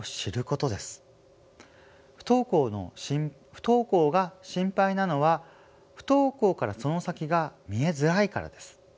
不登校が心配なのは不登校からその先が見えづらいからです。